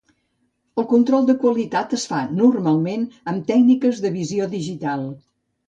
El control de qualitat es fa normalment amb tècniques de visió digital.